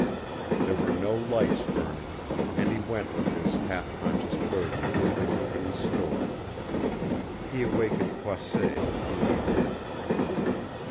There were no lights burning, and he went with his half conscious burden to the company's store. He awakened Croisset, who let them in.